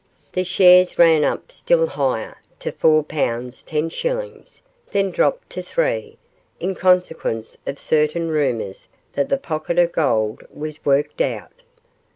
The shares ran up still higher, to four pounds ten shillings, then dropped to three, in consequence of certain rumours that the pocket of gold was worked out.